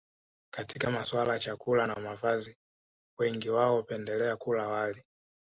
Katika masuala ya chakula na mavazi wengi wao hupendelea kula wali